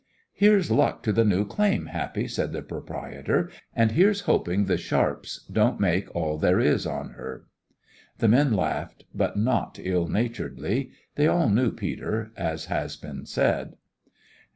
"Here's luck to the new claim, Happy," said the proprietor; "and here's hoping the sharps doesn't make all there is on her." The men laughed, but not ill naturedly. They all knew Peter, as has been said.